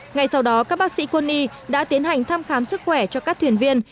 ngay sau đó các bác sĩ quân y đã tiến hành thăm khám sức khỏe cho các thuyền viên